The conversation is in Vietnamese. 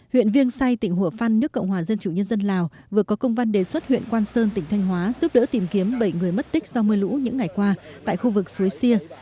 huyện viêng say tỉnh hủa phăn nước cộng hòa dân chủ nhân dân lào vừa có công văn đề xuất huyện quan sơn tỉnh thanh hóa giúp đỡ tìm kiếm bảy người mất tích do mưa lũ những ngày qua tại khu vực suối sia